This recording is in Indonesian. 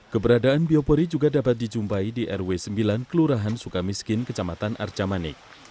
keberadaan biopori juga dapat dijumpai di rw sembilan kelurahan sukamiskin kecamatan arcamanik